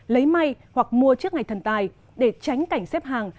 lấy may hoặc mua trước ngày thần tài để tránh cảnh xếp hàng